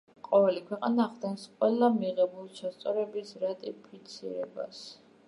ყოველი ქვეყანა ახდენს ყველა მიღებული ჩასწორების რატიფიცირებას.